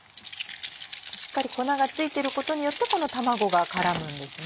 しっかり粉が付いてることによってこの卵が絡むんですね。